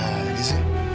udah duda deh